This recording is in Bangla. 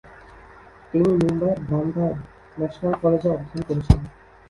তিনি মুম্বইয়ের বান্দ্রায় ন্যাশনাল কলেজে অধ্যয়ন করছেন।